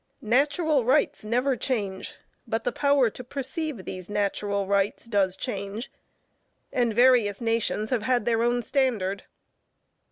Natural rights never change, but the power to perceive these natural rights does change, and various nations have had their own standard.